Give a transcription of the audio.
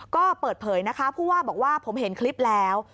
ก็เปิดเผยนะคะผู้ว่าบอกว่าผมเห็นคลิปแล้ว